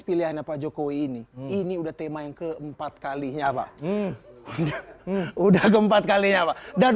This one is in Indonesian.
pilihannya pak jokowi ini ini udah tema yang keempat kalinya pak udah keempat kalinya pak dan